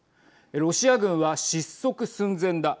ロシア軍は失速寸前だ。